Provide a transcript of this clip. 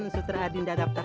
sutra hadinda daftar